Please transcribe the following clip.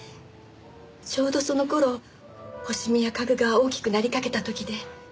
ちょうどその頃星宮家具が大きくなりかけた時で。